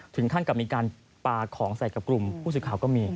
ถึงขั้นกับมีการปลาของใส่กับกลุ่มผู้สื่อข่าวก็มี